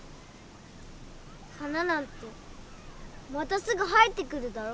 花なんてまたすぐ生えてくるだろ。